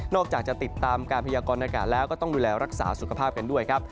จากจะติดตามการพยากรณากาศแล้วก็ต้องดูแลรักษาสุขภาพกันด้วยครับ